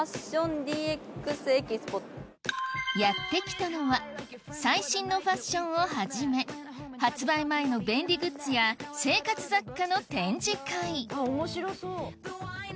やって来たのは最新のファッションをはじめ発売前の便利グッズや生活雑貨の展示会あっ面白そう。